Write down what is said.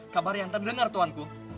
kabar yang terdengar tuhanku